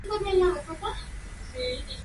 Sus padres eran Alexander y Mary.